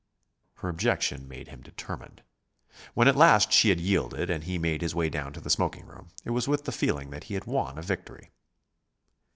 Her objection made him determined. When at last she had yielded, and he made his way down to the smoking room, it was with the feeling that he had won a victory.